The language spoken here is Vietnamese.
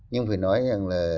nhưng phải nói rằng là